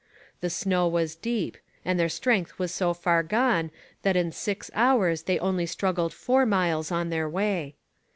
The snow was deep, and their strength was so far gone that in six hours they only struggled four miles on their way.